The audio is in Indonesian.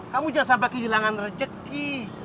kamu jangan sampai kehilangan rezeki